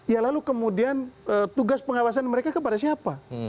ya lalu kemudian tugas pengawasan mereka kepada siapa